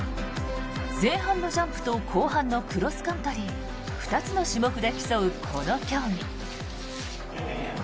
前半のジャンプと後半のクロスカントリー２つの種目で競うこの競技。